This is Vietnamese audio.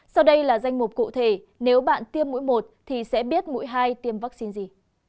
sau đây là danh mục cụ thể nếu bạn tiêm mũi một thì sẽ biết mũi hai tiêm vaccine gì